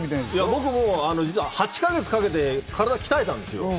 僕も８か月かけて鍛えたんです。